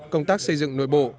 công tác xây dựng nội bộ